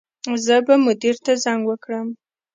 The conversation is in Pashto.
زه به مدیر ته زنګ وکړم